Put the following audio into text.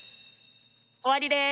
終わりです。